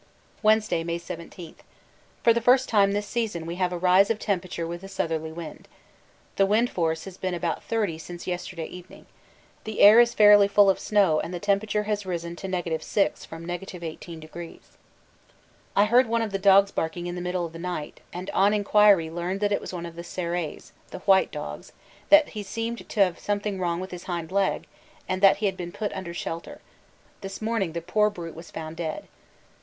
Wednesday, May 17. For the first time this season we have a rise of temperature with a southerly wind. The wind force has been about 30 since yesterday evening; the air is fairly full of snow and the temperature has risen to 6° from 18°. I heard one of the dogs barking in the middle of the night, and on inquiry learned that it was one of the 'Serais,' that he seemed to have something wrong with his hind leg, and that he had been put under shelter. This morning the poor brute was found dead.